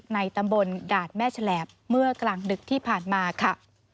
ในตำบลดาดแม่แฉลบเมื่อกลางดึกที่ผ่านมาค่ะ